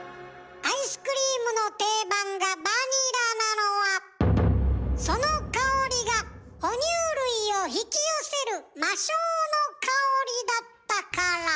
アイスクリームの定番がバニラなのはその香りが哺乳類を引き寄せる魔性の香りだったから。